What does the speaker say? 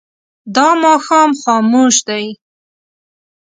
دا ماښام خاموش دی.